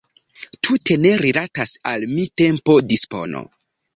Tute ne rilatas al mia tempo-dispono.